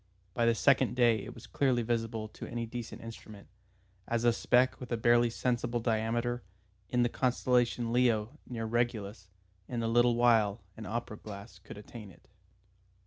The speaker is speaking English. By the second day it was clearly visible to any decent instrument, as a speck with a barely sensible diameter, in the constellation Leo near Regulus. In a little while an opera glass could attain it.